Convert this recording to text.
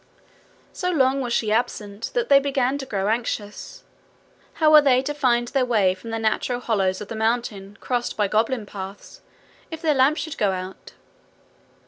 So long was she absent that they began to grow anxious: how were they to find their way from the natural hollows of the mountain crossed by goblin paths, if their lamps should go out?